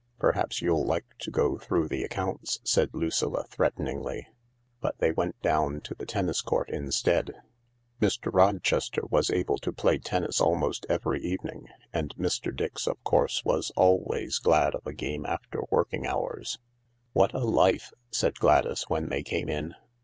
"Perhaps you'd like to go through the accounts," said Lucilla threateningly. But they went down to the tennis court instead. Mr. Rochester was able to play tennis almost THE LARK 189 every evening, and Mr. Dix, of course, was always glad of a game after working hours. " What a life !" said Gladys, when they came in.